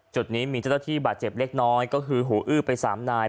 จุดนี้มีเจ้าหน้าที่บาดเจ็บเล็กน้อยก็คือหูอื้อไป๓นาย